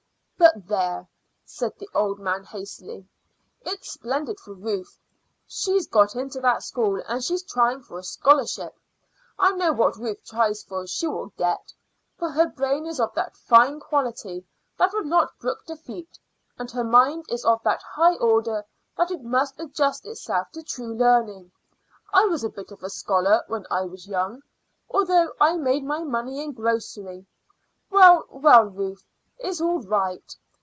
"But there!" said the old man hastily. "It's splendid for Ruth. She's got into that school, and she's trying for a scholarship. I know what Ruth tries for she will get, for her brain is of that fine quality that could not brook defeat, and her mind is of that high order that it must adjust itself to true learning. I was a bit of a scholar when I was young, although I made my money in grocery. Well, well! Ruth is all right.